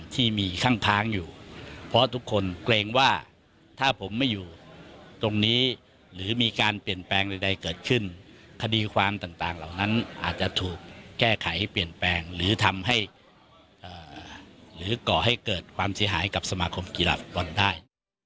ที่มีข้างค้างอยู่เพราะทุกคนเกรงว่าถ้าผมไม่อยู่ตรงนี้หรือมีการเปลี่ยนแปลงใดเกิดขึ้นคดีความต่างเหล่านั้นอาจจะถูกแก้ไขให้เปลี่ยนแปลงหรือทำให้หรือก่อให้เกิดความเสียหายกับสมาคมกีฬาฟุตบอลได้